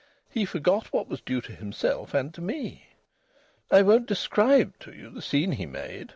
He forgot what was due to himself and to me. I won't describe to you the scene he made.